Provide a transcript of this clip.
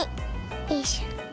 よいしょ。